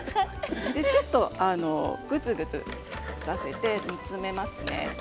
ちょっとぐつぐつさせて煮詰めますね。